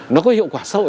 nó có hiệu quả sâu